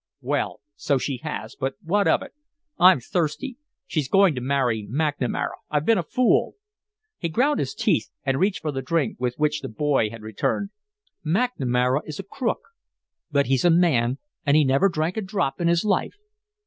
"Well, so she has but what of it? I'm thirsty. She's going to marry McNamara. I've been a fool." He ground his teeth and reached for the drink with which the boy had returned. "McNamara is a crook, but he's a man, and he never drank a drop in his life."